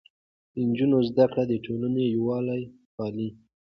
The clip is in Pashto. د نجونو زده کړه د ټولنې يووالی پالي.